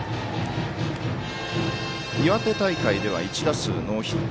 岩手大会では１打数ノーヒット。